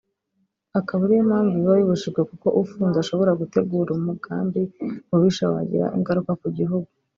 akaba ariyo mpamvu biba bibujijwe kuko ufunze ashobora gutegura umugambi mubisha wagira ingaruka ku gihugu